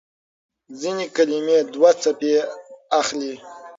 ځينې کلمې دوه څپې اخلي.